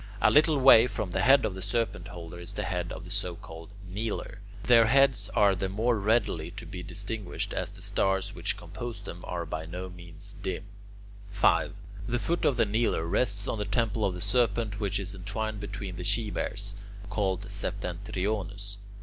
A little way from the head of the Serpent holder is the head of the so called Kneeler. Their heads are the more readily to be distinguished as the stars which compose them are by no means dim. 5. The foot of the Kneeler rests on the temple of that Serpent which is entwined between the She Bears (called Septentriones).